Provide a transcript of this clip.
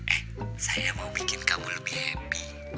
eh saya mau bikin kamu lebih happy